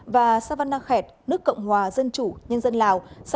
và savannakhet nước cộng hòa dân chủ nhân dân lào